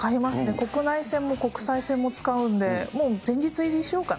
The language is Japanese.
国内線も国際線も使うんで、もう前日入りしようかな。